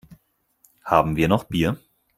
Haben wir noch Bier?